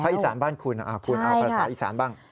อีสานบ้านคุณคุณเอาภาษาอีสานบ้าง